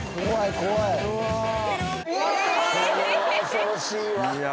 恐ろしいわ。